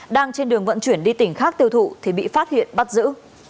đang trên đường vận chuyển đi tỉnh khác tiêu thụ thì bị phát hiện bắt giữ